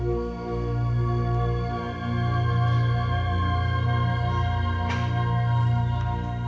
bagaimana kita bisa keluar